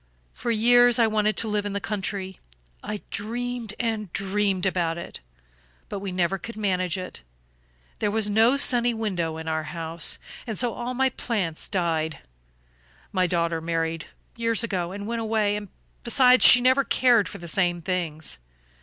For years I wanted to live in the country. I dreamed and dreamed about it; but we never could manage it. There was no sunny window in our house, and so all my plants died. My daughter married years ago and went away besides, she never cared for the same things.